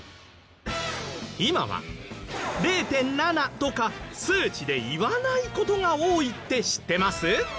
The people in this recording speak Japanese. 今は０．７とか数値で言わない事が多いって知ってます？